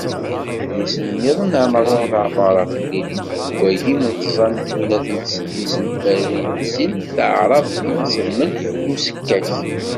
Idlisen-nniḍen n Ɛmer Ulaɛmaṛa "Timlilit deg wagim d tẓa twina d seddis tmerwin d sin, Taɛrabt-Tineslemt n usekkak”.